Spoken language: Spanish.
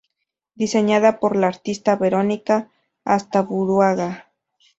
Diseñada por la artista Verónica Astaburuaga.